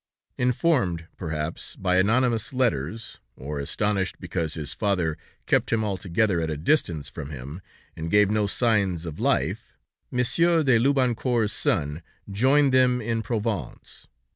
Informed, perhaps, by anonymous letters, or astonished because his father kept him altogether at a distance from him, and gave no signs of life, Monsieur de Loubancourt's son joined them in Provence.